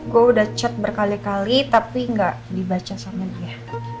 gue udah chat berkali kali tapi gak dibaca sama dia